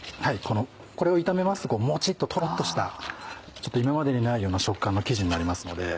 これを炒めますとモチっとトロっとしたちょっと今までにないような食感の生地になりますので。